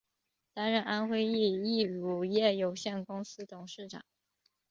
担任安徽益益乳业有限公司董事长。